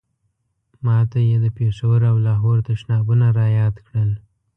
ما ته یې د پېښور او لاهور تشنابونه را یاد کړل.